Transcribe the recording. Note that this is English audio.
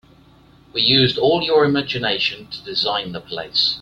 We used all your imgination to design the place.